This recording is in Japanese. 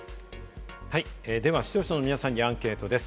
では視聴者の皆さんにアンケートです。